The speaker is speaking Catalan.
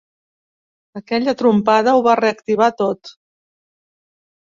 Aquella trompada ho va reactivar tot.